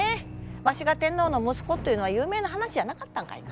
わしが天皇の息子というのは有名な話じゃなかったんかいな。